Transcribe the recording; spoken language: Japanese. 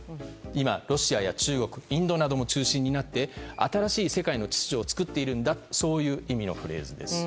今、ロシアや中国インドなども中心となって新しい世界の秩序を作っているんだそういう意味のフレーズです。